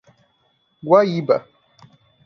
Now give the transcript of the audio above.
Guaíba